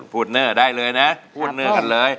เนอร์ได้เลยนะพูดเนื้อกันเลย